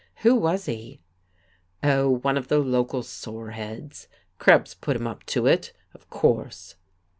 "Who was he?" "Oh, one of the local sore heads. Krebs put him up to it, of course."